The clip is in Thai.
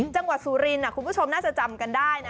จังหวัดสุรินทร์คุณผู้ชมน่าจะจำกันได้นะ